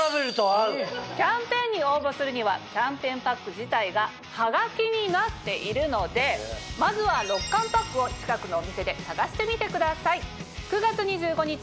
キャンペーンに応募するにはキャンペーンパック自体がハガキになっているのでまずは６缶パックを近くのお店で探してみてください。